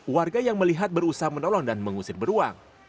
warga yang melihat berusaha menolong dan mengusir beruang